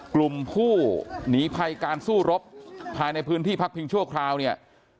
กลุ่มผู้หนีภัยการสู้รบภายในพื้นที่พักพิงชั่วคราวเนี่ย